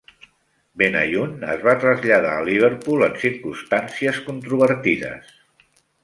Benayoun es va traslladar a Liverpool en circumstàncies controvertides.